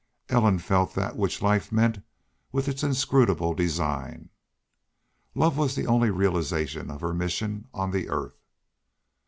Ellen felt that which life meant with its inscrutable design. Love was only the realization of her mission on the earth.